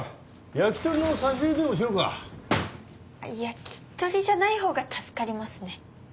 焼き鳥じゃないほうが助かりますね。